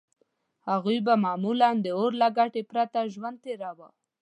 هغوی به معمولاً د اور له ګټې پرته ژوند تېراوه.